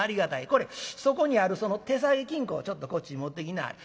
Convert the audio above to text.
これそこにあるその手提げ金庫をちょっとこっちに持ってきなはれ。